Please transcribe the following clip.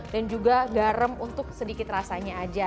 dan juga garam untuk sedikit rasanya aja